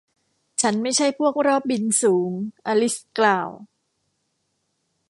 ฉันไม่ใช่พวกรอบบินสูง อลิซกล่าว